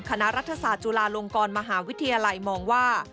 คณะรัฐศาสตร์จุฬาลงกรมหาวิทยาลัยมองว่า